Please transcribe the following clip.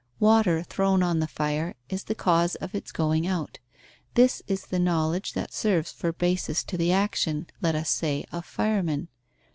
Water thrown on the fire is the cause of its going out: this is the knowledge that serves for basis to the action, let us say, of firemen.